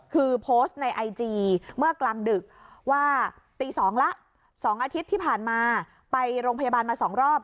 คือโพสต์ในไอจีเมื่อกลางดึกว่าตี๒ละ๒อาทิตย์ที่ผ่านมาไปโรงพยาบาลมา๒รอบ